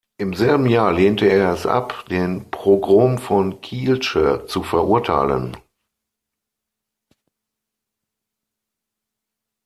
Im selben Jahr lehnte er es ab, den Pogrom von Kielce zu verurteilen.